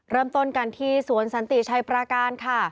เริ่มต้นกันที่สวนสันติชัยปราการค่ะ